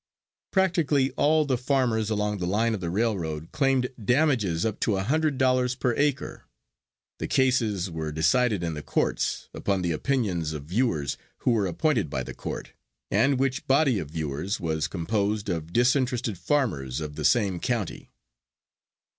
Practically all the farmers along the line of the railroad claimed damages up to a hundred dollars per acre. The cases were decided in the courts, upon the opinions of viewers who were appointed by the court, and which body of viewers was composed of disinterested farmers of the same county.